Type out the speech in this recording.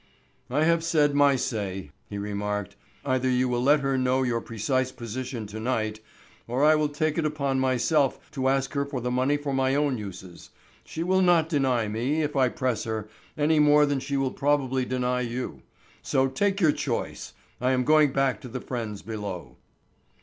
"I have said my say," he remarked. "Either you will let her know your precise position to night, or I will take it upon myself to ask her for the money for my own uses. She will not deny me, if I press her, any more than she will probably deny you. So take your choice. I am going back to the friends below."